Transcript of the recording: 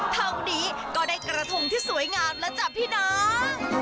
เท่านี้ก็ได้กระทงที่สวยงามแล้วจ้ะพี่น้อง